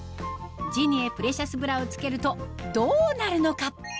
ジニエプレシャスブラを着けるとどうなるのか？